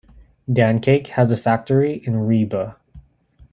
Dancake has a factory in Ribe.